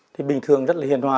thì bình thường rất là hiền hòa